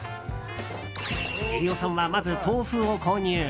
飯尾さんは、まず豆腐を購入。